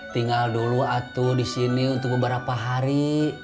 tinggal dulu atuh disini untuk beberapa hari